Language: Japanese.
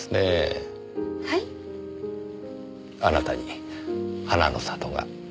あなたに花の里が。